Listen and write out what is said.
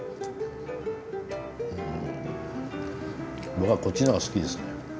僕はこっちの方が好きですね。